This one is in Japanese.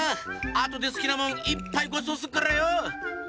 あとですきなもんいっぱいごちそうすっからよ！